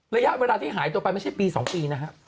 ระยะเวลาที่หายตัวไปไม่ใช่ปี๒ปีนะฮะ